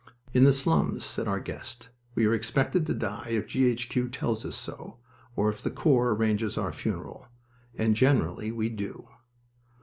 "In the slums," said our guest, "we are expected to die if G. H. Q. tells us so, or if the corps arranges our funeral. And generally we do."